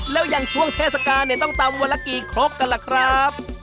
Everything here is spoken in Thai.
แล้วยังช่วงเทศกาต้องตำวันละกี่ครบกันละครับ